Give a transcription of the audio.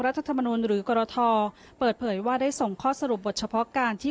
รัฐธรรมนุนหรือกรทเปิดเผยว่าได้ส่งข้อสรุปบทเฉพาะการที่